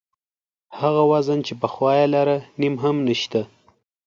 هغه وزن چې پخوا یې لاره نیم هم نشته.